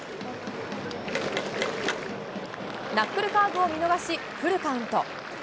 ナックルカーブを見逃し、フルカウント。